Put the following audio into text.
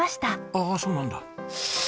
ああそうなんだ。